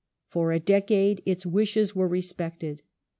For a decade its wishes were respected.